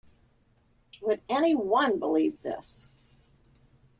Would any one believe this?